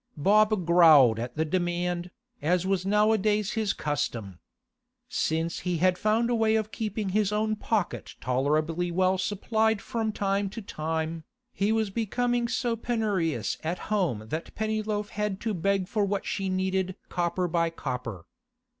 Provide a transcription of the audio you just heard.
Bob growled at the demand, as was nowadays his custom. Since he had found a way of keeping his own pocket tolerably well supplied from time to time, he was becoming so penurious at home that Pennyloaf had to beg for what she needed copper by copper.